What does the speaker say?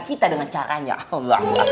kita dengan caranya allah